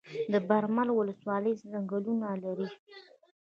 د برمل ولسوالۍ ځنګلونه لري